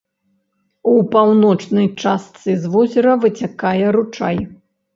У паўночнай частцы з возера выцякае ручай.